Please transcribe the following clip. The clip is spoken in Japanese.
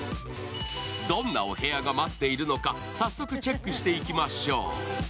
どんなお部屋が待っているのか早速チェックしていきましょう。